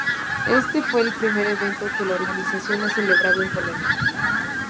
Este fue el primer evento que la organización ha celebrado en Polonia.